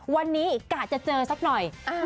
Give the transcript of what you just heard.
วันนี้กะจะเจอสักหน่อย